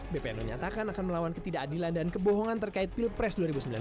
bpn menyatakan akan melawan ketidakadilan dan kebohongan terkait pilpres dua ribu sembilan belas